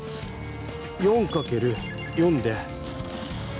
４かける４で。